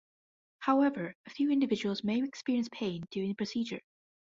However, a few individuals may experience pain during the procedure.